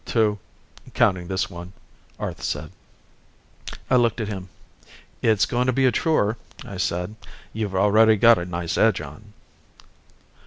"Two, counting this one," Arth said. I looked at him. "It's going to be a chore," I said. "You've already got a nice edge on."